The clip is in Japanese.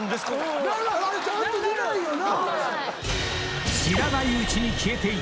あれちゃんと出ないよな！